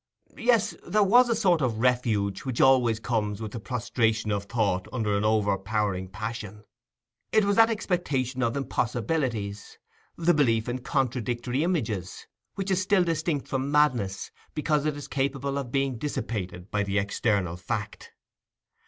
Yes, there was a sort of refuge which always comes with the prostration of thought under an overpowering passion: it was that expectation of impossibilities, that belief in contradictory images, which is still distinct from madness, because it is capable of being dissipated by the external fact.